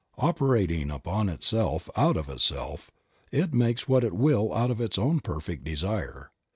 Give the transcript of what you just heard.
Operat ing upon itself out of itself, it makes what it will out of its own perfect desire.